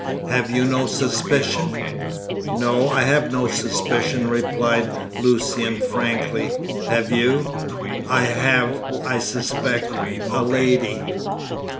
Have you no suspicion?" "No. I have no suspicion," replied Lucian frankly. "Have you?" "I have. I suspect a lady."